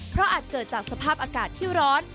เพราะอาจเกิดจากสภาพอากาศที่ร้อน